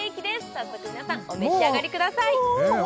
早速皆さんお召し上がりください